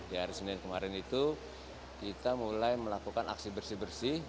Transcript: di hari senin kemarin itu kita mulai melakukan aksi bersih bersih